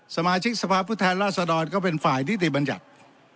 สมาชิกสภาพผู้แทนราษฎรก็เป็นฝ่ายนิติบัญญัติ